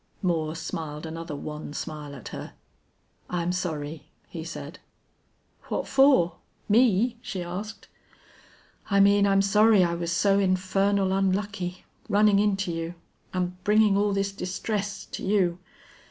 Moore smiled another wan smile at her. "I'm sorry," he said. "What for? Me?" she asked. "I mean I'm sorry I was so infernal unlucky running into you and bringing all this distress to you.